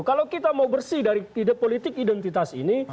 kalau kita mau bersih dari ide politik identitas ini